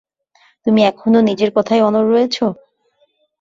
তুমি এখনো নিজের কথায় অনড় রয়েছো?